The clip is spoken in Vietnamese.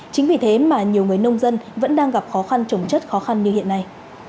chính vì thế mà nhiều người nông dân vẫn đang gặp khó khăn trồng chất khó khăn như hiện nay